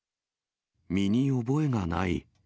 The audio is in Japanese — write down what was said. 見に覚えがない。